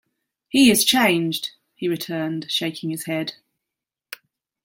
"He is changed," he returned, shaking his head.